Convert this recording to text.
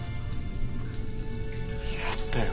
やったよ。